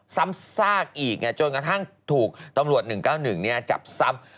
ซ้ำซากอีกจนกระทั่งถูกตำรวจ๑๙๑จับซ้ำ